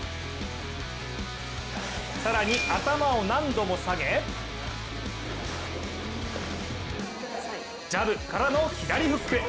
さらに頭を何度も下げジャブからの、左フック。